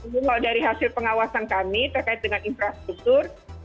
kalau dari hasil pengawasan kami terkait dengan infrastruktur